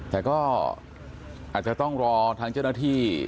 แต่ก็อาจจะต้องรอทางเจ้าหน้าที่